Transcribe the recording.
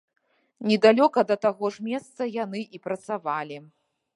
Недалёка да таго ж месца яны і працавалі.